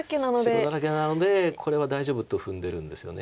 白だらけなのでこれは大丈夫と踏んでるんですよね。